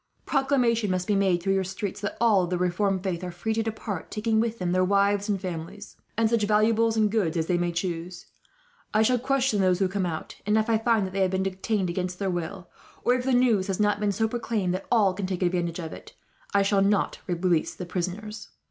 Proclamation must be made through your streets that all of the reformed faith are free to depart, taking with them their wives and families, and such valuables and goods as they may choose. I shall question those who come out, and if I find that any have been detained against their will, or if the news has not been so proclaimed that all can take advantage of it, I shall not release the prisoners.